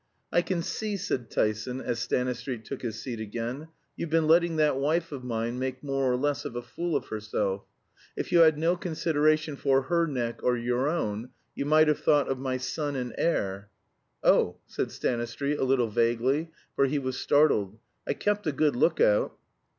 "I can see," said Tyson, as Stanistreet took his seat again, "you've been letting that wife of mine make more or less of a fool of herself. If you had no consideration for her neck or your own, you might have thought of my son and heir." "Oh," said Stanistreet, a little vaguely, for he was startled, "I kept a good lookout."